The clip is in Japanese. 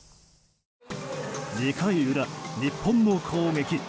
２回裏、日本の攻撃。